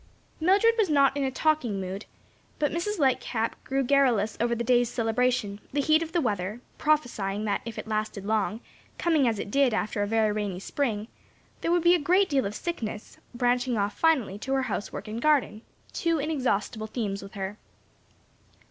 Mildred was not in a talking mood, but Mrs. Lightcap grew garrulous over the day's celebration, the heat of the weather, prophesying that if it lasted long, coming as it did after a very rainy spring, there would be a great deal of sickness branching off finally to her housework and garden; two inexhaustible themes with her.